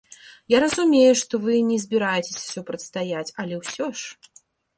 Я разумею, што вы і не збіраецеся супрацьстаяць, але ўсё ж?